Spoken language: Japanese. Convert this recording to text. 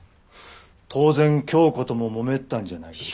当然鏡子とももめてたんじゃないか？